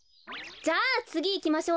じゃあつぎいきましょう。